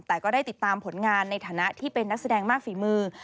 แต่ก็ได้ติดตามผลงานในฐานะที่เป็นนักแสดงมากฝีมือ